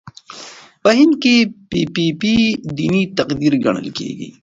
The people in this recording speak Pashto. په هند کې پي پي پي دیني تقدیر ګڼل کېږي.